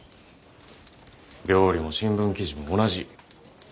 料理も新聞記事も同じ。